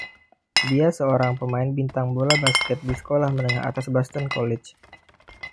Dia seorang pemain bintang bola basket di Sekolah Menengah Atas Boston College.